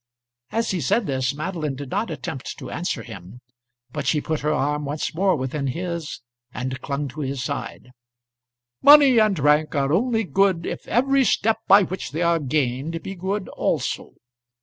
As he said this, Madeline did not attempt to answer him, but she put her arm once more within his, and clung to his side. "Money and rank are only good, if every step by which they are gained be good also.